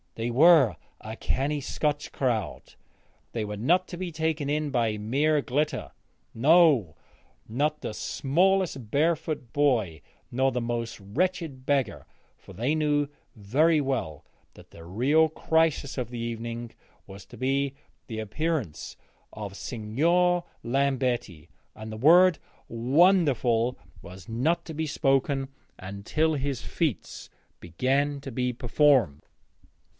They were a canny Scotch crowd; they were not to be taken in by mere glitter, no, not the smallest barefoot boy nor the most wretched beggar, for they knew very well that the real crisis of the evening was to be the appearance of Signor Lambetti, and the word 'wonderful' was not to be spoken until his feats began to be performed.